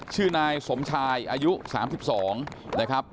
ชื่อนายสมชายอายุ๓๒นะครับ